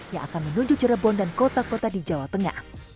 yang akan menuju cirebon dan kota kota di jawa tengah